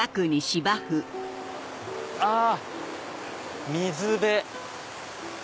あっ水辺！